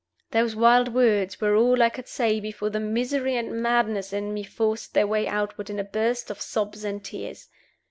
Those wild words were all I could say before the misery and madness in me forced their way outward in a burst of sobs and tears.